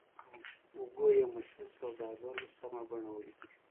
هوګو یو مشهور سوداګر و سمه بڼه ولیکئ.